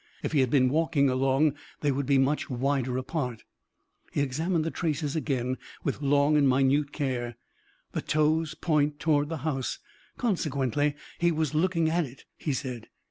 If he had been walking along they would be much wider apart." He examined the traces again with long and minute care. "The toes point toward the house, consequently he was looking at it," he said.